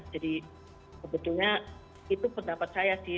jadi sebetulnya itu pendapat saya sih